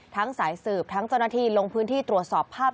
สายสืบทั้งเจ้าหน้าที่ลงพื้นที่ตรวจสอบภาพ